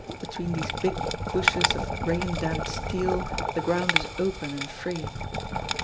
Between these big bushes of rain damped steel the ground is open and free.